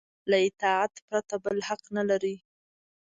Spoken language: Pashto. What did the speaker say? له اطاعت پرته بل حق نه لري.